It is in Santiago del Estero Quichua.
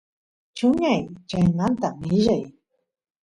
chuñay chaymanta millay